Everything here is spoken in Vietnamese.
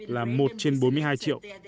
là một trên bốn mươi hai triệu